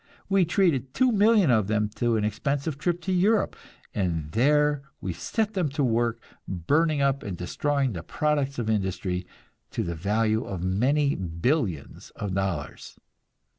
We treated two million of them to an expensive trip to Europe, and there we set them to work burning up and destroying the products of industry, to the value of many billions of dollars.